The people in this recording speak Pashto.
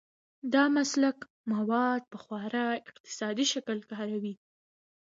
دا مسلک مواد په خورا اقتصادي شکل کاروي.